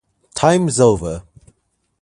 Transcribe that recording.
Time's over!